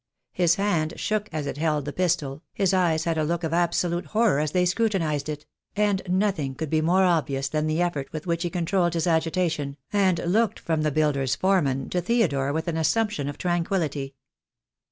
His hand shook as it held the pistol, his eyes had a look of absolute horror as they scrutinized it; and nothing could be more obvious than the effort with which he controlled his agitation, and looked from the builder's foreman to Theodore with an assumption of tranquillity.